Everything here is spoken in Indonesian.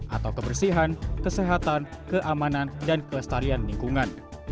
atau kebersihan kesehatan keamanan dan kelestarian lingkungan